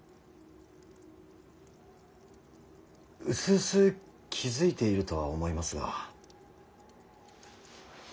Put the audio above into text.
うすうす気付いているとは思いますが。